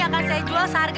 ambil dong sama aku